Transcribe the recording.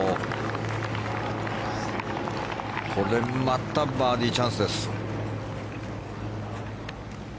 これまたバーディーチャンスです。